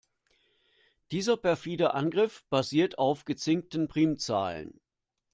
Dieser perfide Angriff basiert auf gezinkten Primzahlen.